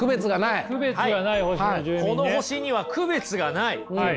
この星には区別がない。